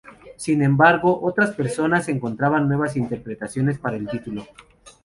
Sin embargo, otras personas encontraban nuevas interpretaciones para el título.